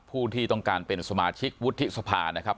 ผู้ที่ต้องการเป็นสมาชิกวุฒิสภานะครับ